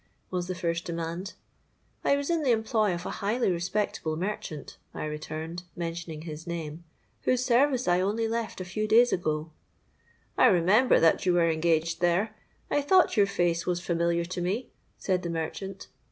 was the first demand.—'I was in the employ of a highly respectable merchant,' I returned, mentioning his name, 'whose service I only left a few days ago.'—'I remember that you were engaged there; I thought your face was familiar to me,' said the merchant.